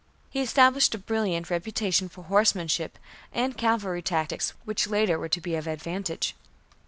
He established a brilliant reputation for horsemanship and cavalry tactics which later were to be of advantage.